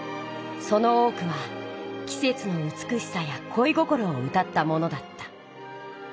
その多くはきせつのうつくしさやこい心を歌ったものだった。